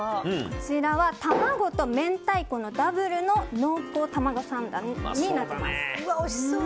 こちらはたまごと明太子のダブルの濃厚たまごサンドになってます。